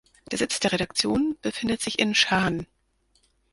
Der Sitz der Redaktion befindet sich in Schaan.